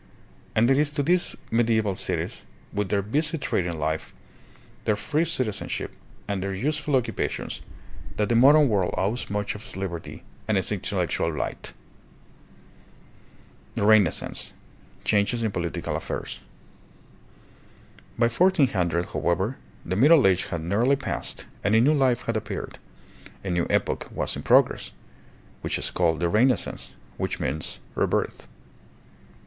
And it is to these media> val cities, with their busy trading life, their free citizen ship, and their useful occupations, that the modern world owes much of its liberty and its intellectual light. The Renaissance. Changes in Political Affairs. By 1400, however, the Middle Age had nearly passed and a new life had appeared, a new epoch was in progress, which is called the Renaissance, which means " rebirth."